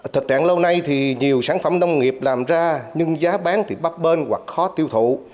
thực trạng lâu nay thì nhiều sản phẩm nông nghiệp làm ra nhưng giá bán thì bắp bên hoặc khó tiêu thụ